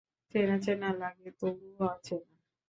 চেনা চেনা লাগে, তবুও অচেনা।